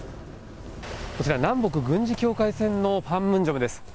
こちら、南北軍事境界線のパンムンジョムです。